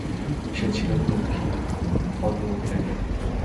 সে ছিল দুঃখী, অন্তর্মুখী টাইপের।